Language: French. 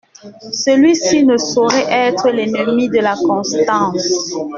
Celui-ci ne saurait être l’ennemi de la constance.